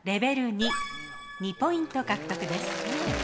２ポイント獲得です。